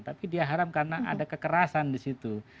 tapi dia haram karena ada kekerasan disitu